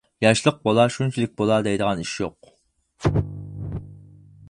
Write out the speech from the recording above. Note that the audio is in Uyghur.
ياشلىق بولا شۇنچىلىك بولا. دەيدىغان ئىش يوق.